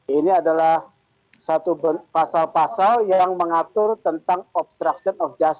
ini adalah satu pasal pasal yang mengatur tentang aturan pidana